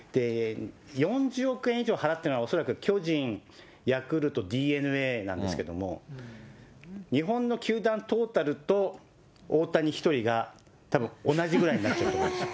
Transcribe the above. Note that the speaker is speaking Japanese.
４０億円以上払っているのは、恐らく巨人、ヤクルト、ＤｅＮＡなんですけど、日本の球団トータルと、大谷１人がたぶん同じぐらいになっちゃうと思います。